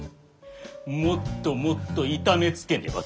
もっともっと痛めつけねば足りぬわ。